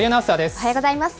おはようございます。